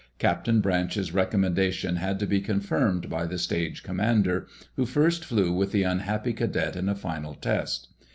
Captain Branch's recommendation had to be confirmed by the Stage Commander, who first flew with the unhappy cadet in a final test.